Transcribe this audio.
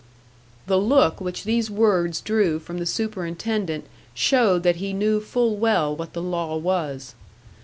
The look which these words drew from the superintendent showed that he knew full well what the law was.